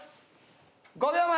５秒前！